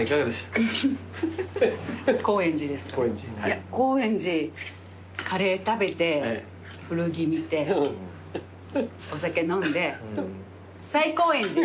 いや高円寺カレー食べて古着見てお酒飲んで最高円寺！